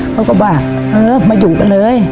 เขาก็ว่าเออมาอยู่กันเลย